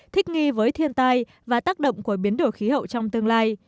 thích nghi với thiên tai và tác động của biến đổi khí hậu trong tương lai